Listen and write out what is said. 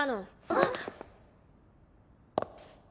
あっ！